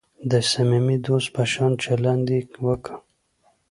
د صمیمي دوست په شان چلند یې وکړ.